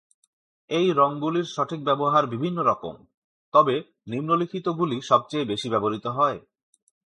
এই রংগুলির সঠিক ব্যবহার বিভিন্ন রকম, তবে নিম্নলিখিতগুলি সবচেয়ে বেশি ব্যবহৃত হয়।